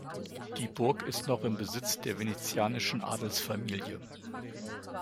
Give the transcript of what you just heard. Die Burg ist noch im Besitz der venezianischen Adelsfamilie.